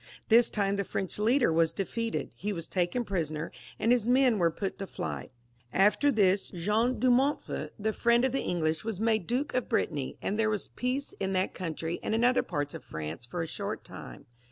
This time the French leader was defeated ; he was taken prisoner, and his men were put to flight. After this, John de Montfort, the Mend of the English, was made Duke of Brittany, and there was peace in that country and in other parts of France for a short time.